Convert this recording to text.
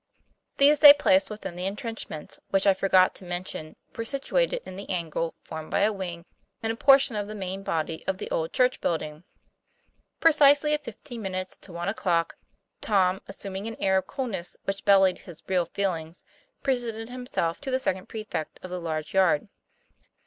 These they placed within the intrenchments, which, I forgot to mention, were situated in the angle formed by a wing and a portion of the main body of the "old church building." Precisely at fifteen minutes to one o'clock, Tom, assuming an air of coolness which belied his real feelings, presented himself to the second prefect of the large yard. 'Mr.